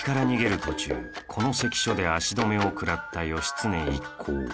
途中この関所で足止めを食らった義経一行